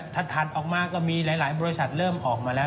ถัดออกมาก็มีหลายบริษัทเริ่มออกมาแล้ว